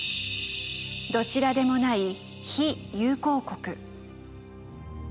どちらでもない「非友好国」。